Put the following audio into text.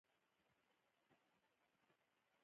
سریش رینا په شل آورونو کښي مشهور وو.